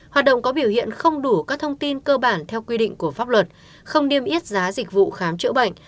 hoạt động có biểu hiện không đủ các thông tin cơ bản theo quy định của pháp luật không niêm yết giá dịch vụ khám chữa bệnh